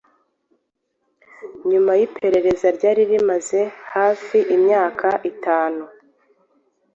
nyuma y’iperereza ryari rimaze hafi imyaka itanu,